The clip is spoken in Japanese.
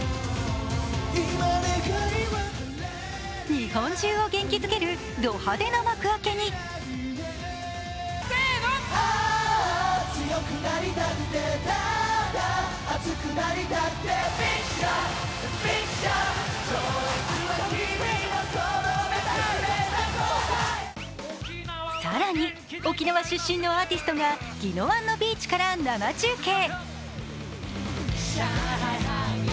日本中を元気づけるド派手な幕開けに更に沖縄出身のアーティストが宜野湾のビーチから生中継。